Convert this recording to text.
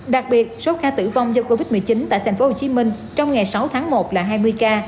đặc biệt số ca tử vong do covid một mươi chín tại thành phố hồ chí minh trong ngày sáu tháng một là hai mươi ca